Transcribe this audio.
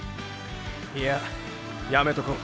いややめとこう。